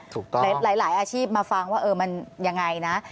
ถูกต้องและหลายอาชีพมาฟังว่ามันอย่างไรนะ